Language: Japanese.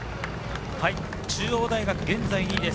中央大学、現在２位です。